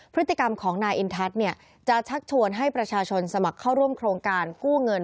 พฤติกรรมของนายอินทัศน์จะชักชวนให้ประชาชนสมัครเข้าร่วมโครงการกู้เงิน